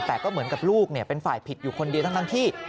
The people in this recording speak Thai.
แต่ก็เหมือนกับลูกเป็นฝ่ายผิดอยู่คนเดียวทั้งที่